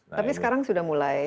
tapi sekarang sudah mulai